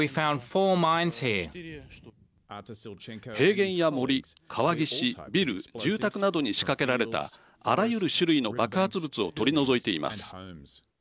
平原や森、川岸、ビル、住宅などに仕掛けられたあらゆる種類の爆発物を取り除いています。